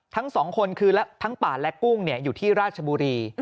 ทั้งสองคนคือทั้งป่าและกุ้งอยู่ที่ราชบุรี